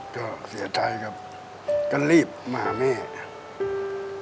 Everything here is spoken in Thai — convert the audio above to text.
ก็เสียใจกับกันรีบมาเมฆ